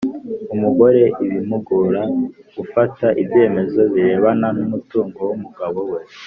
umugore bimugora gufata ibyemezo birebana n’umutungo w’umugabo we.